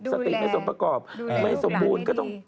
สติไม่สมประกอบไม่สมบูรณ์ก็ต้อง